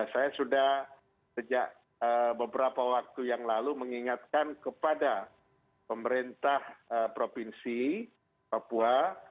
saya sudah sejak beberapa waktu yang lalu mengingatkan kepada pemerintah provinsi papua